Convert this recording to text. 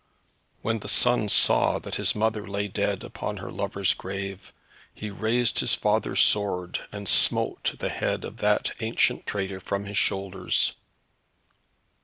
When the son saw that his mother lay dead upon her lover's grave, he raised his father's sword and smote the head of that ancient traitor from his shoulders.